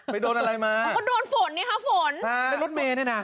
ไม่โดนอะไรมาก็โดนฝนเนี้ยค่ะฝนค่ะแล้วรถเมย์เนี้ยน่ะ